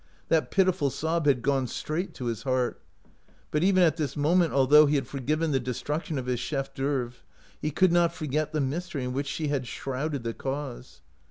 That pitiful sob had gone straight to his heart. But even at this mo ment, although he had forgiven the destruc tion of his chef d' ceuvre, he could not forget the mystery in which she had shrouded the cause.